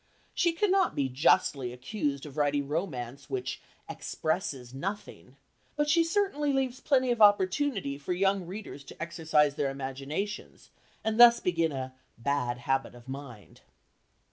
She cannot be justly accused of writing romance which "expresses nothing," but she certainly leaves plenty of opportunity for young readers to exercise their imaginations, and thus begin a "bad habit of mind."